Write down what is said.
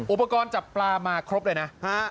อุปกรณ์จับปลามาครบเลยนะ